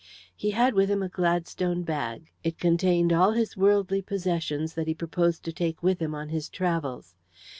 He had with him a Gladstone bag; it contained all his worldly possessions that he proposed to take with him on his travels.